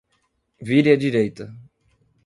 Vire a direita.